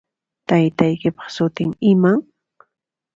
Taytaykipaq sutin iman?